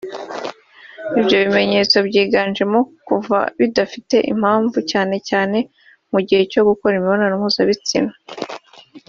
Ibyo bimenyetso byiganjemo kuva bidafite impamvu cyane cyane mu gihe cyo gukora imibonano mpuzabitsina